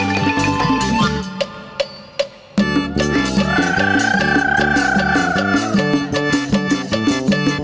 กลับมาที่สุดท้าย